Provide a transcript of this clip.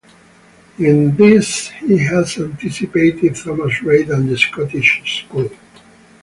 In this he has anticipated Thomas Reid and the Scottish school.